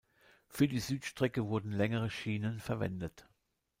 Für die Südstrecke wurden längere Schienen verwendet.